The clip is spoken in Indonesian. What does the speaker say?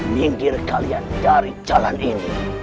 minggir kalian dari jalan ini